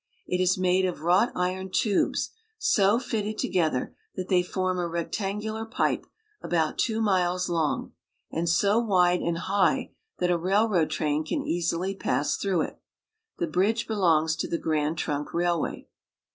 It is made of wrought iron tubes, so fitted together that they form a rectangular pipe about two miles long, and so wide and high that a railroad train can easily pass through it. The bridge belongs to the Grand Trunk Railway.